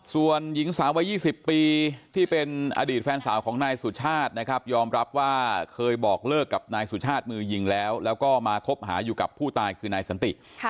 ส่วนหญิงสาววัย๒๐ปีที่เป็นอดีตแฟนสาวของนายสุชาตินะครับยอมรับว่าเคยบอกเลิกกับนายสุชาติมือยิงแล้วแล้วก็มาคบหาอยู่กับผู้ตายคือนายสันติ